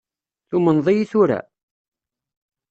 Tumneḍ-iyi tura?